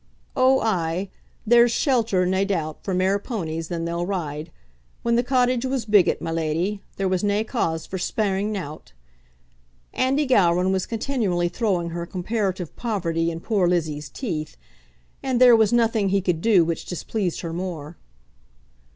"Oh, ay, there's shelter, nae doot, for mair pownies than they'll ride. When the Cottage was biggit, my leddie, there was nae cause for sparing nowt." Andy Gowran was continually throwing her comparative poverty in poor Lizzie's teeth, and there was nothing he could do which displeased her more.